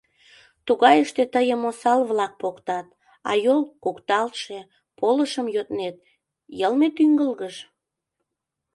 Тугайыште тыйым осал-влак поктат, а йол — кукталтше, полышым йоднет — йылме тӱҥгылгыш?...